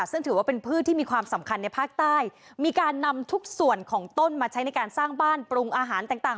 ซึ่งถือว่าเป็นพืชที่มีความสำคัญในภาคใต้มีการนำทุกส่วนของต้นมาใช้ในการสร้างบ้านปรุงอาหารต่างต่าง